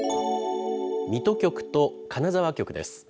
水戸局と金沢局です。